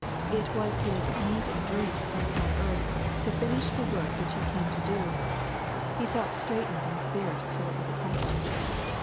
It was His ^' meat and drink," when upon earth, to finish the work which He came to do. He felt straitened in spirit till it was accomplished.